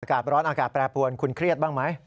อากาศร้อนอากาศแปรปวนคุณเครียดบ้างไหม